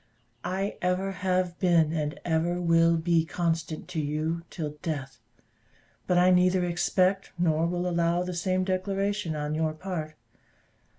I ever have been, and ever will be constant to you, till death; but I neither expect, nor will allow of the same declaration on your part.